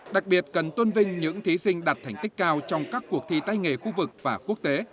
đặc biệt cần tôn vinh những thí sinh đạt thành tích cao trong các cuộc thi tay nghề khu vực và quốc tế